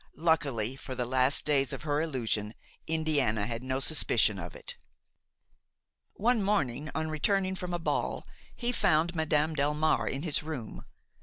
Luckily for the last days of her illusion, Indiana had no suspicion of it. One morning, on returning from a ball, he found Madame Delmare in his room.